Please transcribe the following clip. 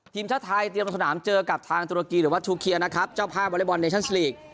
ทีมชาติไทยเตรียมลงสนามเจอกับทางตุรกีหรือว่าชูเคียนะครับเจ้าภาพวอเล็กบอลเนชั่นลีก